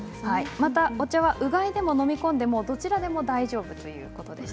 またお茶は、うがいでも飲み込んでもどちらでも大丈夫ということです。